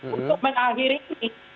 untuk mengakhiri ini